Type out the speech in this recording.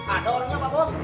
ada orangnya pak bos